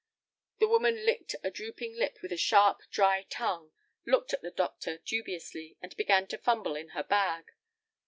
The woman licked a drooping lip with a sharp, dry tongue, looked at the doctor dubiously, and began to fumble in her bag.